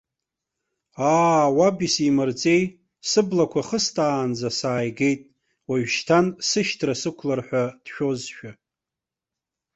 Аа, уаб исимырҵеи, сыблақәа хыстаанӡа сааигеит, уажәшьҭан сышьҭра сықәлар ҳәа дшәозшәа.